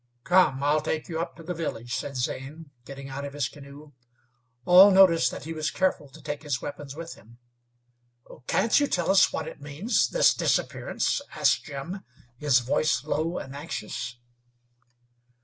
"Come, I'll take you up to the village," said Zane, getting out of his canoe. All noticed that he was careful to take his weapons with him. "Can't you tell us what it means this disappearance?" asked Jim, his voice low and anxious.